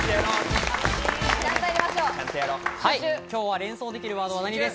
今日は「連想できるワードは何！？」です。